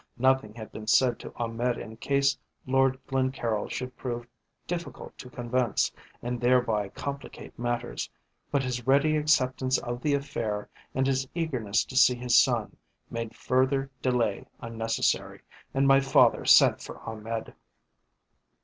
Nothing had been said to Ahmed in case Lord Glencaryll should prove difficult to convince and thereby complicate matters, but his ready acceptance of the affair and his eagerness to see his son made further delay unnecessary, and my father sent for Ahmed.